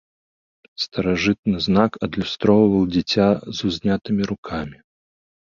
Старажытны знак адлюстроўваў дзіця з узнятымі рукамі.